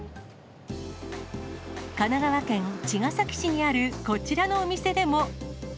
神奈川県茅ヶ崎市にあるこちらのお店でも。